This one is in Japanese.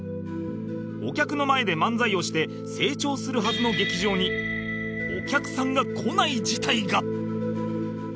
お客の前で漫才をして成長するはずの劇場にお客さんが来ない事態が